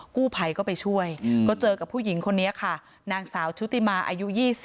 กู้ภัยก็ไปช่วยก็เจอกับผู้หญิงคนนี้ค่ะนางสาวชุติมาอายุ๒๐